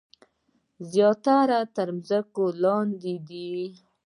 زیاتره یې تر ځمکې لاندې دي.